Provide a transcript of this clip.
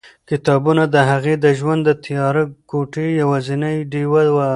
کتابونه د هغې د ژوند د تیاره کوټې یوازینۍ ډېوه وه.